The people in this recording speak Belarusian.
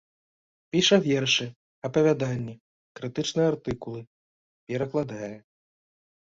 Піша вершы, апавяданні, крытычныя артыкулы, перакладае.